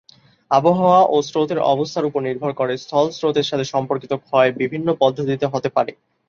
আবহাওয়া ও স্রোতের অবস্থার উপর নির্ভর করে স্থল স্রোতের সাথে সম্পর্কিত ক্ষয় বিভিন্ন পদ্ধতিতে হতে পারে।